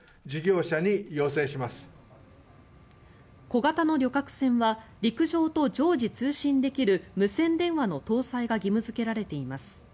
小型の旅客船は陸上と常時通信できる無線電話の搭載が義務付けられています。